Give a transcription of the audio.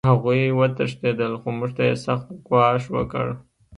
هغوی وتښتېدل خو موږ ته یې سخت ګواښ وکړ